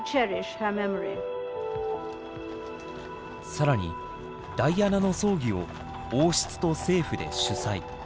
更にダイアナの葬儀を王室と政府で主催。